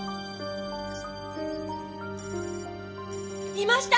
いました！